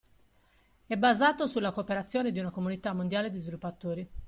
È basato sulla cooperazione di una comunità mondiale di sviluppatori.